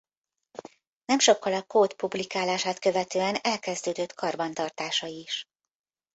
Nem sokkal a kód publikálását követően elkezdődött karbantartása is.